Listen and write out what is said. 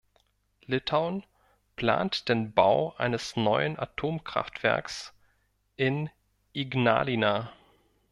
Litauen plant den Bau eines neuen Atomkraftwerks in Ignalina.